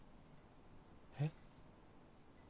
えっ？